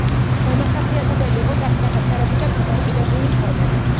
დამახასიათებელი იყო კაშკაშა ფერები და გამარტივებული ფორმები.